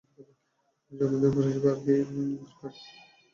আপনার জন্মদিনের উপহার হিসেবে আর কী দরকার?